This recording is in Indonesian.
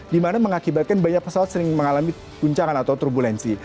di mana mengakibatkan banyak pesawat sering mengalami guncangan atau turbulensi